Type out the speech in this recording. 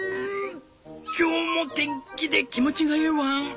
今日も天気で気持ちがいいワン！